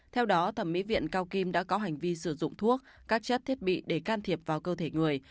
theo đó thẩm mỹ viện cao kim đã có hành vi sử dụng thuốc các chất thiết bị để can thiệp vào cơ thể người